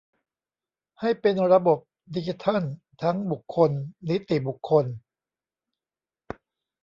ให้เป็นระบบดิจิทัลทั้งบุคคล นิติบุคคล